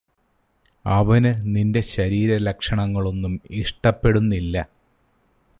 അവന് നിന്റെ ശരീര ലക്ഷണങ്ങളൊന്നും ഇഷ്ടപ്പെടുന്നില്ല